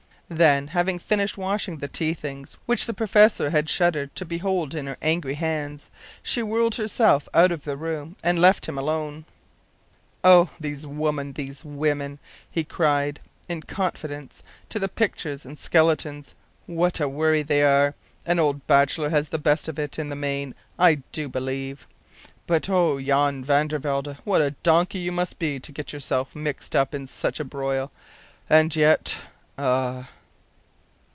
” Then, having finished washing the tea things, which the professor had shuddered to behold in her angry hands, she whirled herself out of the room and left him alone. “Oh, these women these women!” he cried, in confidence, to the pictures and skeletons. “What a worry they are! An old bachelor has the best of it in the main, I do believe. But oh, Jan van der Welde, what a donkey you must be to get yourself mixed up in such a broil! and yet ah!